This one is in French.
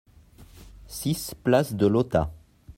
six place de Lautat